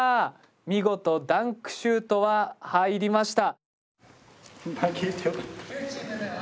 見事ダンクシュートは入りました。